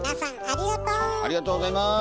ありがとうございます！